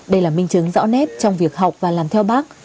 đây là minh chứng rõ nét trong việc học và làm theo bác